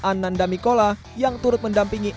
ananda mikola yang turut mendampingi